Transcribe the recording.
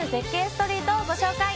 ストリートをご紹介！